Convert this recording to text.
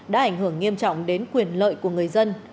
đã ảnh hưởng nghiêm trọng đến quyền lợi của người dân